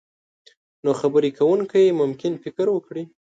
نو خبرې کوونکی ممکن فکر وکړي.